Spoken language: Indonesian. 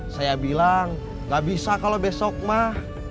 saya bilang gak bisa kalau besok mah